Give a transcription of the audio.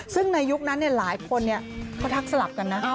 ซึ่งในยุคนั้นหลายคนเขาทักสลับกันนะ